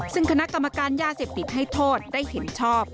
ซึ่งคณะกรรมการยาเสพติดให้โทษได้เห็นชอบ